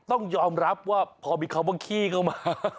ต้องยอมรับว่าพอมีของขี้เข้ามา